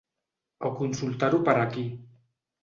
O consultar-ho per aquí.